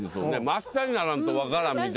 あしたにならんと分からんみたいな。